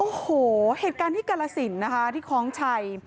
โอ้โหเหตุการณ์ที่กาลสินนะคะที่คล้องชัย